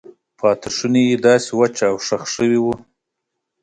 پاتې شونې یې داسې وچ او شخ شوي وو.